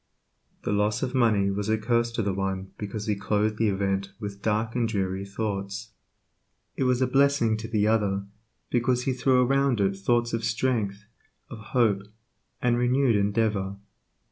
The loss of money was a curse to the one because he clothed the event with dark and dreary thoughts; it was a blessing to the other, because he threw around it thoughts of strength, of hope, and renewed endeavor.